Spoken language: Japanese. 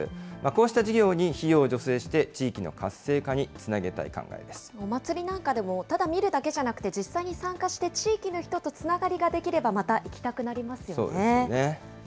こうした事業に費用を助成して、地域の活性化につなげたい考えでお祭りなんかでも、ただ見るだけじゃなくて、実際に参加して、地域の人とつながりが出来れば、そうですよね。